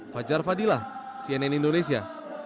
fajar fadillah cnn indonesia